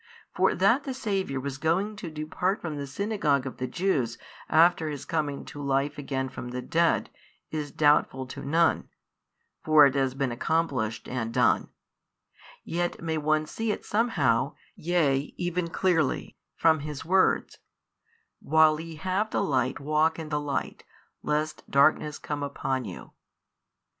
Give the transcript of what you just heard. For that the Saviour was going to depart from the Synagogue of the Jews after His coming to Life again from the dead, is doubtful to none (for it has been accomplished and done): yet may one see it somehow (yea even clearly) from His words, While ye have the Light walk in the Light, lest darkness come upon you.